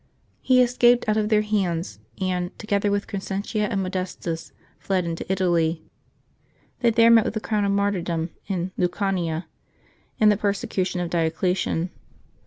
He escaped out of their hands, and, together with Crescentia and Modestus, fled into Italy. They there met with the crown of martyrdom in Lucania, in the persecution of Diocletian.